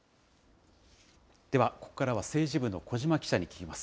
ではここからは政治部の小嶋記者に聞きます。